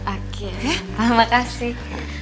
oke terima kasih